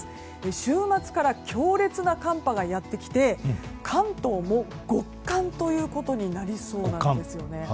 週末から強烈な寒波がやってきて関東も極寒ということになりそうなんですよね。